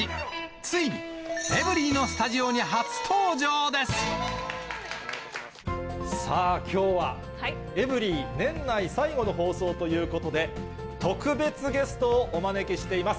ついに、エブリィのスタジオに初さあ、きょうは、エブリィ年内最後の放送ということで、特別ゲストをお招きしてきます。